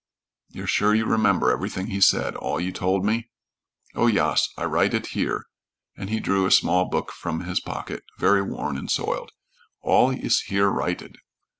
"You're sure you remember everything he said all you told me?" "Oh, yas. I write it here," and he drew a small book from his pocket, very worn and soiled. "All iss here writed."